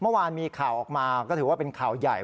เมื่อวานมีข่าวออกมาก็ถือว่าเป็นข่าวใหญ่